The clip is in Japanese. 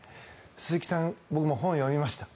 鈴木さんの本僕も読みました。